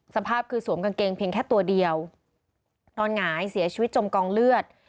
สภาพคือสวมกางเกงเพียงแค่ตัวเดียวนอนหงายเสียชีวิตจมกองเลือด